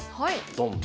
ドン。